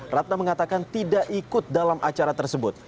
ratna mengatakan tidak ikut dalam acara tersebut